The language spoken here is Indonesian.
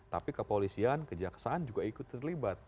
tapi kepolisian kejaksaan juga ikut terlibat